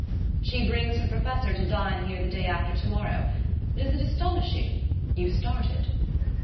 "She brings her Professor to dine here the day after tomorrow. Does it astonish you? You started."